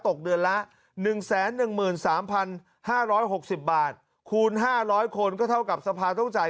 ตกเดือนละ๑๑๓๕๖๐บาทคูณ๕๐๐คนก็เท่ากับสภาต้องจ่าย